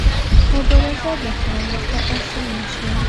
مبارزه به هم ورته اسانه شي.